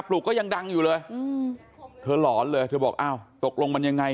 ลูกก็ยังดังอยู่เลยอืมเธอหลอนเลยเธอบอกอ้าวตกลงมันยังไง